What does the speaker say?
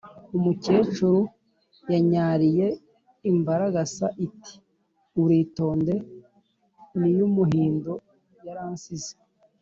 Umukecuru yanyaliye imbaragasa iti: ulitonde n’iyumuhindo yaransize.